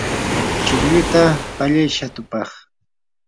chuqluta pallay shatupaq.